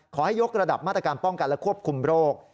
ยกระดับมาตรการป้องกันและควบคุมโรค